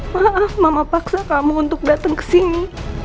maaf mama paksa kamu untuk dateng kesini